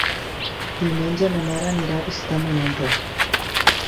Diumenge na Nara anirà a visitar mon oncle.